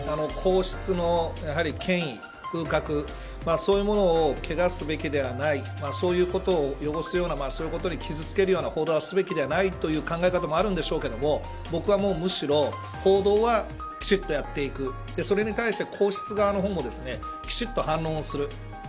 皇室の権威風格そういうものを汚すべきではないそういうことを汚すようなそういうことを傷つける報道をすべきではないという考えがあるんでしょうが僕はむしろ報道はきちっとやっていくそれに対して、皇室側の方もきちっと反論をする。